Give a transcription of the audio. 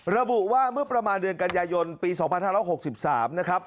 ระบุว่าเมื่อประมาณเดือนกันยายนปี๒๕๖๓นะครับ